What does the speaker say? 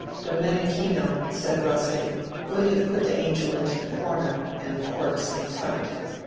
Domenichino, said Buskin, would have put the angel into the comer, and the corpse in front.